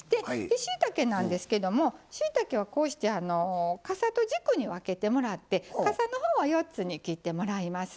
でしいたけなんですけどもしいたけはこうしてかさと軸に分けてもらってかさのほうは４つに切ってもらいます。